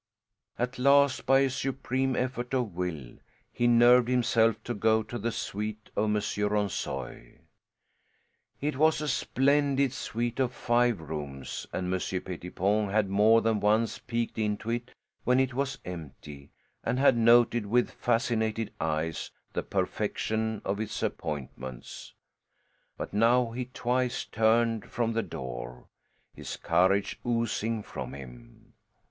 At last by a supreme effort of will he nerved himself to go to the suite of Monsieur Ronssoy. It was a splendid suite of five rooms, and Monsieur Pettipon had more than once peeked into it when it was empty and had noted with fascinated eyes the perfection of its appointments. But now he twice turned from the door, his courage oozing from him.